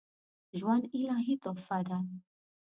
ژوند الهي تحفه ده